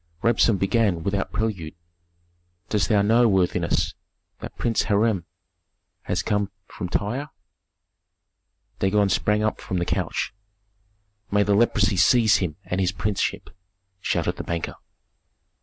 Rabsun began without prelude, "Dost thou know, worthiness, that Prince Hiram has come from Tyre?" Dagon sprang up from the couch. "May the leprosy seize him and his princeship!" shouted the banker.